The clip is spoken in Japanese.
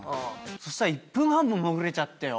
そしたら、１分半も潜れちゃってよ。